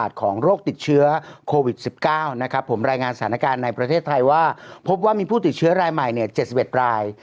เทศไทยว่าพบว่ามีผู้ติดเชื้อรายใหม่๗๑ราย